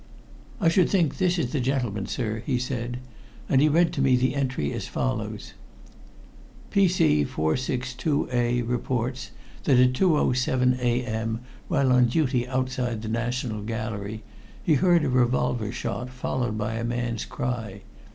"I should think this is the gentleman, sir," he said. And he read to me the entry as follows: "P.C. 462A reports that at 2.07 a.m., while on duty outside the National Gallery, he heard a revolver shot, followed by a man's cry.